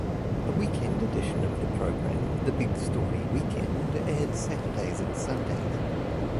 A weekend edition of the program, The Big Story Weekend, aired Saturdays and Sundays.